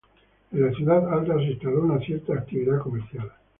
En la Ciudad Alta se instaló una cierta actividad comercial.